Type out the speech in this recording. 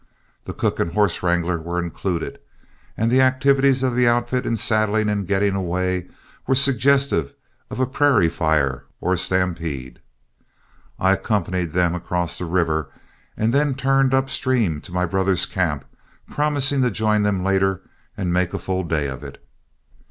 The cook and horse wrangler were included, and the activities of the outfit in saddling and getting away were suggestive of a prairie fire or a stampede. I accompanied them across the river, and then turned upstream to my brother's camp, promising to join them later and make a full day of it.